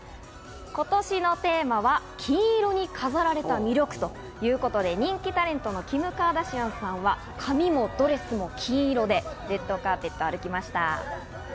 今年のテーマは「金色に飾られた魅力」ということで、人気タレントのキム・カーダシアンさんは髪もドレスも金色でレッドカーペットを歩きました。